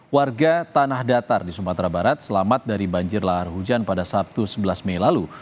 warga tanah datar di sumatera barat selamat dari banjir lahar hujan pada sabtu sebelas mei lalu